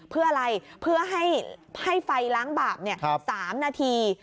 เพื่ออะไรเพื่อให้ไฟล้างบาป๓นาที